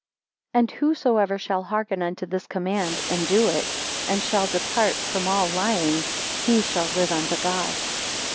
10 And whosoever shall hearken unto this command, and do it, and shall depart from all lying, he shall live unto God.